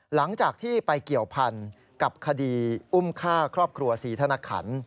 หลังจากที่ไปเกี่ยวพันกับคดีอุ้มฆ่าครอบครัวศรีธนขัน